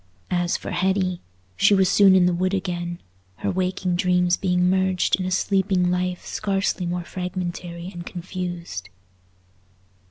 As for Hetty, she was soon in the wood again—her waking dreams being merged in a sleeping life scarcely more fragmentary and confused.